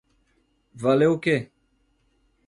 Valeu o quê?